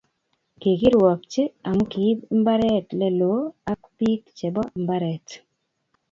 Kikirwokchi amu kiib mbaret leloo ak bik chebo mbaret